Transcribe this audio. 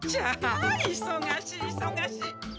ああいそがしいいそがしい。